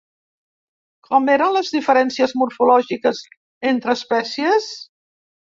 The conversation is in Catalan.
Com eren les diferències morfològiques entre espècies?